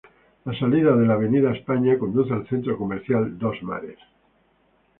La salida de la avenida España conduce al Centro Comercial Dos Mares.